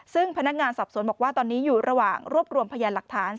ซึ่งพนักงานสอบสวนบอกว่าตอนนี้อยู่ระหว่างรวบรวมพยานหลักฐาน